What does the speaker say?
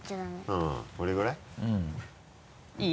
あぁこれぐらい？